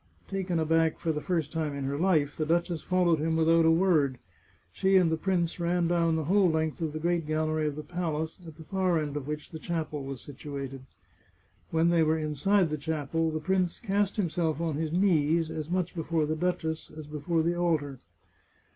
Taken aback for the first time in her life, the duchess followed him without a word. She and the prince ran down the whole length of the great gallery of the palace, at the far end of which the chapel was situated. When they were inside the chapel the prince cast himself on his knees, as much before the duchess as before the altar.